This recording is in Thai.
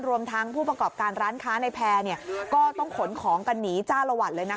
รวมทั้งผู้ประกอบการร้านค้าในแพร่ก็ต้องขนของกันหนีจ้าละวันเลยนะคะ